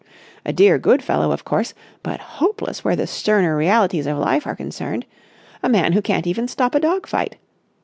A dear, good fellow, of course, but hopeless where the sterner realities of life are concerned. A man who can't even stop a dog fight!